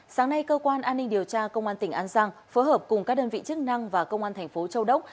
sáng nay cơ quan an ninh điều tra công an tỉnh an giang phối hợp cùng các đơn vị chức năng và công an thành phố châu đốc